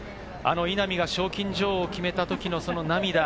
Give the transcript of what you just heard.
稲見が賞金女王を決めた時の涙。